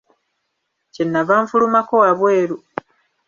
Kye nnava nfulumako wabweru.